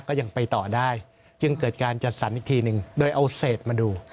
ก็ยังไปต่อได้จึงเกิดการจัดสรรอีกทีหนึ่งโดยเอาเศษมาดู